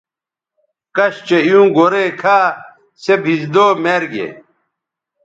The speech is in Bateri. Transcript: کش چہء ایوں گورئ کھا سے بھیزدو میر گے